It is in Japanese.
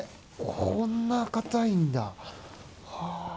こんな硬いんだ。